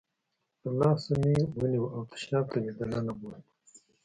له لاسه مې ونیو او تشناب ته مې دننه بوت.